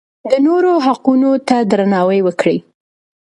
د نورو حقونو ته درناوی وکړئ.